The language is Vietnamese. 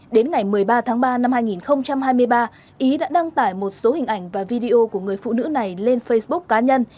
đến ngày một mươi ba tháng ba năm hai nghìn hai mươi ba ý đã đăng tải một số hình ảnh và video của người phụ nữ này lên facebook cá nhân